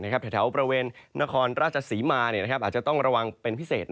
แถวบริเวณนครราชศรีมาอาจจะต้องระวังเป็นพิเศษ